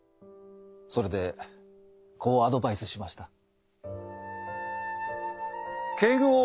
それでこうアドバイスしました。